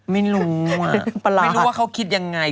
ไม่รู้ว่าเขาคิดยังไง